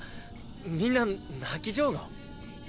みんな泣き上戸？